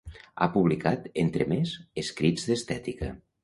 Ha publicat, entre més, Escrits d’estètica.